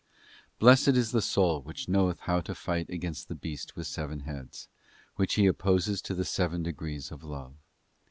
The spiritual Blessed is that soul which knoweth how to fight against the beast with seven heads,{ which he opposes to the seven degrees of love.